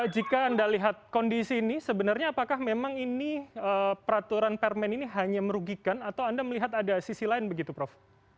jika anda lihat kondisi ini sebenarnya apakah memang ini peraturan permen ini hanya merugikan atau anda melihat ada sisi lain begitu prof